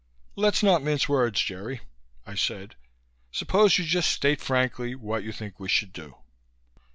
"Let's not mince words, Jerry," I said. "Suppose you just state frankly what you think we should do."